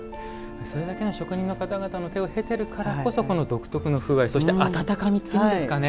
それだけの職人の方々の手を経ているからこそこの独特の風合い温かみというものですかね。